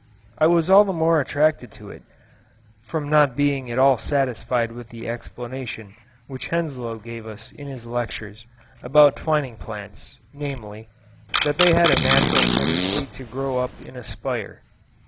I was all the more attracted to it, from not being at all satisfied with the explanation which Henslow gave us in his lectures, about twining plants, namely, that they had a natural tendency to grow up in a spire.